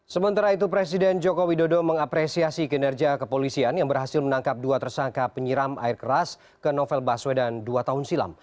sementara itu presiden joko widodo mengapresiasi kinerja kepolisian yang berhasil menangkap dua tersangka penyiram air keras ke novel baswedan dua tahun silam